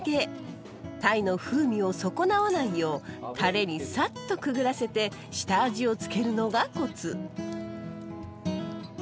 タイの風味を損なわないようタレにサッとくぐらせて下味を付けるのがコツ。